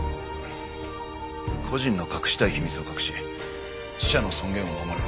故人の隠したい秘密を隠し死者の尊厳を守る。